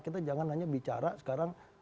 kita jangan hanya bicara sekarang